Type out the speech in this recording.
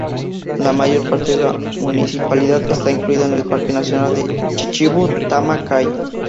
La mayor parte de la municipalidad está incluida en el Parque Nacional de Chichibu-Tama-Kai.